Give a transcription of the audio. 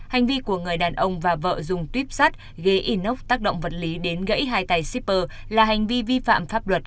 hành vi của người đàn ông và vợ dùng tuyếp sắt ghế inox tác động vật lý đến gãy hai tay shipper là hành vi vi phạm pháp luật